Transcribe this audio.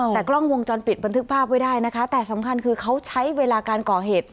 แต่กล้องวงจรปิดบันทึกภาพไว้ได้นะคะแต่สำคัญคือเขาใช้เวลาการก่อเหตุ